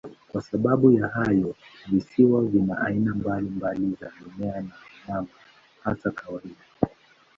Kwa sababu ya hayo, visiwa vina aina mbalimbali za mimea na wanyama, hata kawaida.